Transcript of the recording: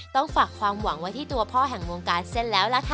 ต้องฝากความหวังไว้ที่ตัวพ่อแห่งวงการเส้นแล้วล่ะค่ะ